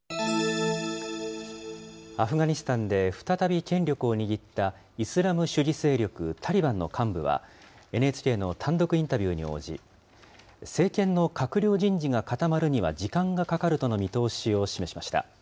アフガニスタンで再び権力を握ったイスラム主義勢力タリバンの幹部はＮＨＫの単独インタビューに応じ、政権の閣僚人事が固まるには時間がかかるとの見通しを示しました。